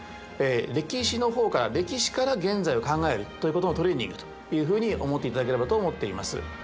歴史の方から歴史から現在を考えるということのトレーニングというふうに思っていただければと思っています。